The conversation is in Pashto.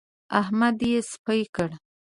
احمد يې سپي کړ.